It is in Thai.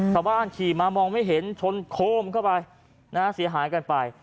ชาวบ้านขี่มามองไม่เห็นชนโคมเข้าไปนะฮะเสียหายกันไป